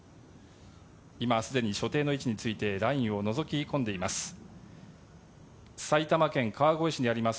今、すでに所定の位置についてラインをのぞき込んでいます。